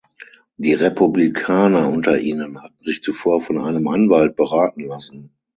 Die Republikaner unter ihnen hatten sich zuvor von einem Anwalt beraten lassen.